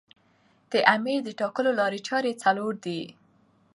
د امیر د ټاکلو لاري چاري څلور دي.